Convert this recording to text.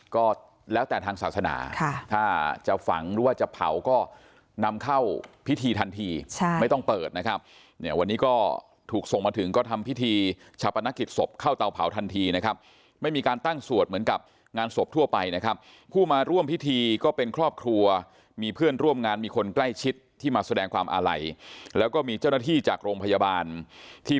ก็แล้วแต่ทางศาสนาค่ะถ้าจะฝังหรือว่าจะเผาก็นำเข้าพิธีทันทีใช่ไม่ต้องเปิดนะครับเนี่ยวันนี้ก็ถูกส่งมาถึงก็ทำพิธีชาปนกิจศพเข้าเตาเผาทันทีนะครับไม่มีการตั้งสวดเหมือนกับงานศพทั่วไปนะครับผู้มาร่วมพิธีก็เป็นครอบครัวมีเพื่อนร่วมงานมีคนใกล้ชิดที่มาแสดงความอาลัยแล้วก็มีเจ้าหน้าที่จากโรงพยาบาลที่